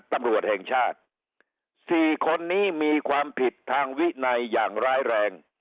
ตำรวจแห่งชาติ๔คนนี้มีความผิดทางวินัยอย่างร้ายแรง